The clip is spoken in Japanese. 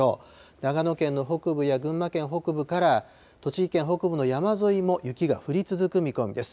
長野県の北部や群馬県北部から栃木県北部の山沿いも雪が降り続く見込みです。